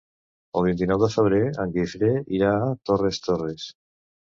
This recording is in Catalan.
El vint-i-nou de febrer en Guifré irà a Torres Torres.